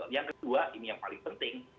yang kedua ini yang paling penting